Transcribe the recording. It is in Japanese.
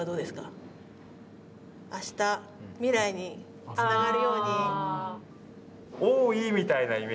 明日未来につながるように。